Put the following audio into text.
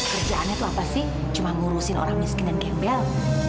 kerjaannya tuh apa sih cuma ngurusin orang miskin dan gembel